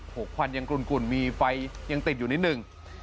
กควันยังกลุ่นมีไฟยังติดอยู่นิดหนึ่ง